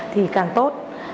thì càng tốt